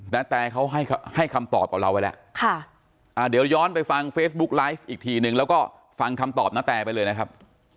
นาแตเขาให้คำตอบกับเราไว้แล้วเดี๋ยวย้อนไปฟังเฟซบุ๊กไลฟ์อีกทีนึงแล้วก็ฟังคำตอบณแตไปเลยนะครับ